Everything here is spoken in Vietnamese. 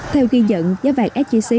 theo ghi nhận giá vàng sjc